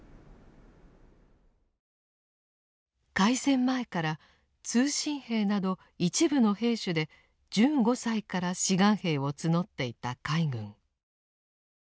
開戦前から「通信兵」など一部の兵種で１５歳から「志願兵」を募っていた海軍。